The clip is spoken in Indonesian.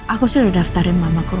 aku sudah daftarin mamaku